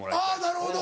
なるほど。